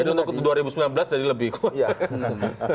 jadi untuk dua ribu sembilan belas jadi lebih kuat